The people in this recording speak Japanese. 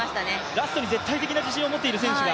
ラストに絶対的な自信を持っている選手が。